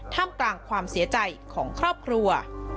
กลางความเสียใจของครอบครัว